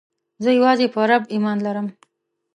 زه یوازي په رب ﷻ ایمان لرم.